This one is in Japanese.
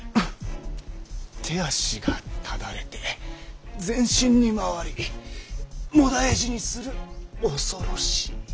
手足がただれて全身に回りもだえ死にする恐ろしい病です。